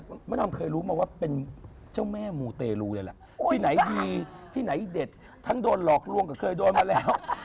มะดำเคยรู้มาว่าเป็นเจ้าแม่มูเตรลูเลยล่ะที่ไหนดีที่ไหนเด็ดทั้งโดนหลอกลวงก็เคยโดนมาแล้ว